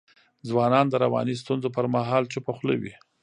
ځوانان د رواني ستونزو پر مهال چوپه خوله وي.